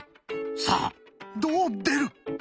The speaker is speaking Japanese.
さあどう出る！